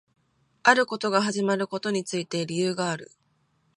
あることが始まることについて理由がある